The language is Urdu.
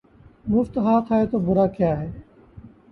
مفت ہاتھ آئے تو برا کیا ہے